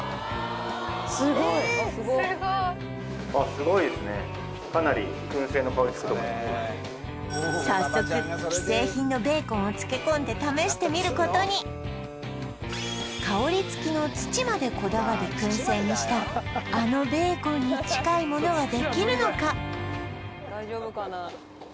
すごい早速既製品のベーコンを漬け込んで試してみることに香り付きの土までこだわり燻製にしたあのベーコンに近いものはできるのか？